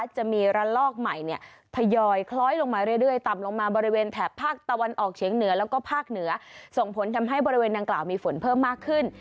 จะมีระลอกใหม่ทยอยคล้อยลงมาเรื่อยต่ำลงมาบริเวณแถบภาคตะวันออกเฉียงเหนือแล้วก็ภาคเหนือส่งผลทำให้บริเวณดังกล่าวมีฝนเพิ่มมากขึ้น